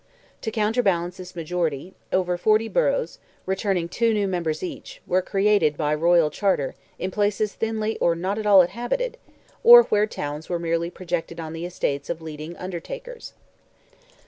To counterbalance this majority, over forty boroughs, returning two members each, were created, by royal charter, in places thinly or not at all inhabited, or where towns were merely projected on the estates of leading "Undertakers."